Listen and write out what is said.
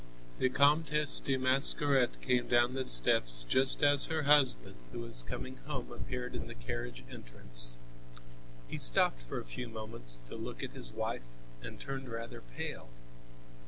The Comtesse de Mascaret came down the steps just as her husband, who was coming home, appeared in the carriage entrance. He stopped for a few moments to look at his wife and turned rather pale.